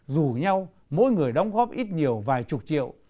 dù nhau mỗi người đóng góp ít nhiều vài chục triệu